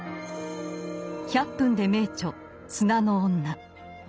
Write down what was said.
「１００分ｄｅ名著」「砂の女」。